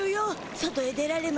外へ出られま